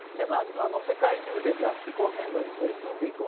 世界中で気候変動に取り組んで行こう。